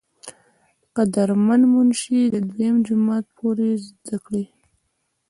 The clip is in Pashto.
قدر مند منشي د دويم جمات پورې زدکړې